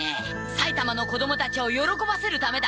埼玉の子供たちを喜ばせるためだ。